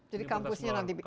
jadi kampusnya nanti